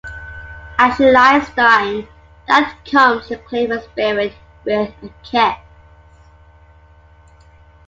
As she lies dying, Death comes to claim her spirit with a kiss.